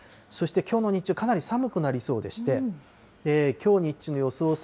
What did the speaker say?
そしてきょうの日中、かなり寒くなりそうでして、きょう日中の予想